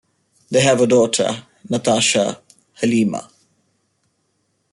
They have a daughter, Natasha Haleema.